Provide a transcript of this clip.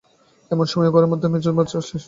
এমন সময়ে আমার ঘরের মধ্যে আমার মেজো ভাজ এসে ঢুকলেন।